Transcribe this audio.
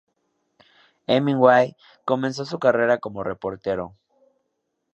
Hemingway comenzó su carrera como reportero.